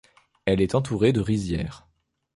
Elle est entourée de rizières.